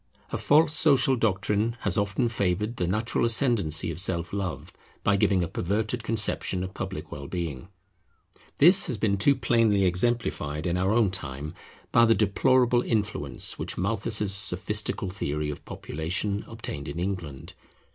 A false social doctrine has often favoured the natural ascendency of Self love by giving a perverted conception of public well being. This has been too plainly exemplified in our own time by the deplorable influence which Malthus's sophistical theory of population obtained in England.